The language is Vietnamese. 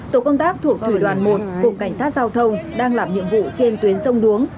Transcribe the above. tổ công tác thuộc thủy đoàn một cục cảnh sát giao thông đang làm nhiệm vụ trên tuyến sông đuống